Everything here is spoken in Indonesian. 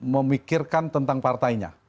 memikirkan tentang partainya